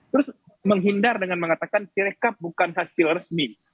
terus menghindar dengan mengatakan sirekap bukan hasil resmi